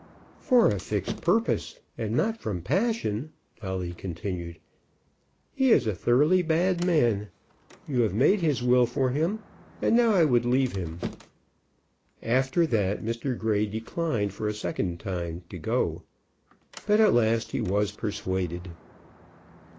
"For a fixed purpose, and not from passion," Dolly continued. "He is a thoroughly bad man. You have made his will for him, and now I would leave him." After that Mr. Grey declined for a second time to go. But at last he was persuaded.